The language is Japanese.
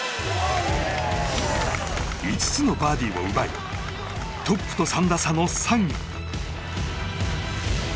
５つのバーディーを奪いトップと３打差の３位。